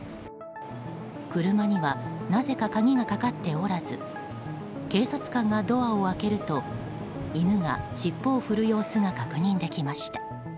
車には、なぜか鍵がかかっておらず警察官がドアを開けると犬が尻尾を振る様子が確認できました。